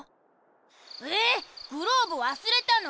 えグローブわすれたの？